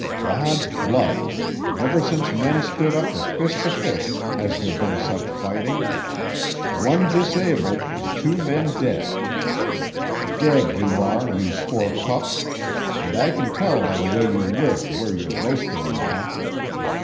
God's blood! Never since men stood up with fist to fist has there been such fighting. One disabled, and two men dead! Dead you are, you poor pups! And I can tell by the way you lived where you're roasting now.